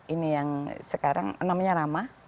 ini yang sekarang namanya ramah